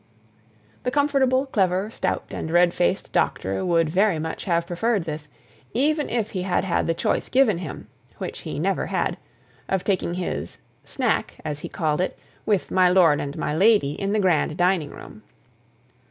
The comfortable, clever, stout, and red faced doctor would very much have preferred this, even if he had had the choice given him (which he never had) of taking his "snack," as he called it, with my lord and my lady, in the grand dining room.